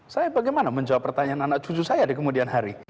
saya bagaimana menjawab pertanyaan anak cucu saya di kemudian hari